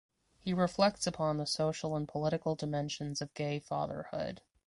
He reflects upon the social and political dimensions of gay fatherhood.